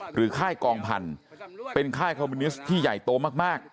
หรือค่ายกองพรรณเป็นค่ายคอมมูนิสที่ใหญ่โตมาก